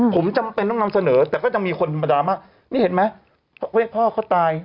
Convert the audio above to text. ผมจำเป็นต้องนำเสนอแต่ก็จะมีคนประมาณนี้เห็นไหมเพราะว่าพ่อเขาตาย